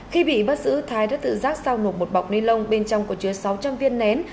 khi bị bắt giữ thái đã tự rác sao nộp một bọc ni lông bên trong của chứa sáu trăm linh viên nén